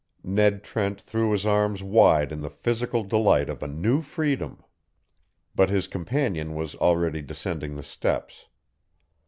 Ned Trent threw his arms wide in the physical delight of a new freedom. But his companion was already descending the steps.